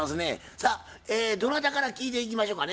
さあどなたから聞いていきましょかね？